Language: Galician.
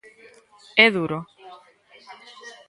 É duro.